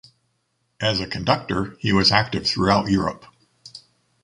As a conductor he was active throughout Europe.